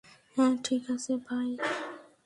হ্যাঁ, ঠিক আছে ভাই।